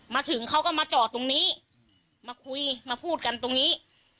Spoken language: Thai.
มาถึงเขาก็มาจอดตรงนี้มาคุยมาพูดกันตรงนี้